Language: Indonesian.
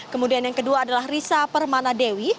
kemudian yang kedua adalah risa permana dewi